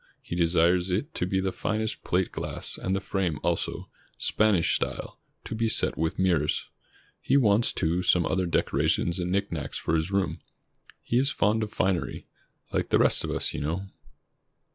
He desires it to be the finest plate glass, and the frame, also, Span ish style, to be set with mirrors. He wants, too, some other decorations and knick knacks for his room. He is fond of finery — like the rest of us, you know."